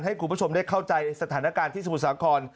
ให้คุณผู้ชมได้เข้าใจสถานการณ์ที่สมุทรสาคร